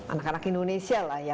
anak anak indonesia lah ya